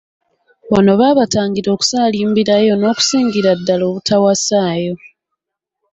Wano baabatangiranga okusaalimbirayo n’okusingira ddala obutawasaayo.